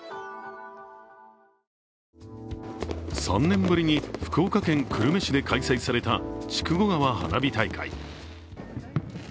３年ぶりに福岡県久留米市で開催された筑後川花火大会。